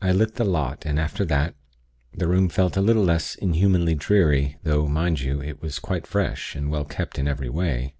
I lit the lot, and after that, the room felt a little less inhumanly dreary; though, mind you, it was quite fresh, and well kept in every way.